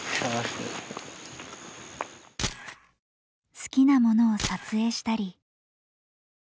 好きなものを撮影したり。